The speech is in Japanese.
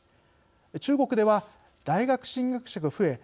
中国では大学進学者が増え